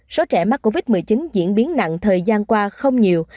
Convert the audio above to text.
số trẻ mắc covid một mươi chín diễn biến nặng thời gian qua không nhiều